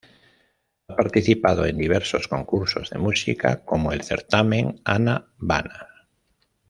Ha participado en diversos concursos de música como el certamen "Ana Bana".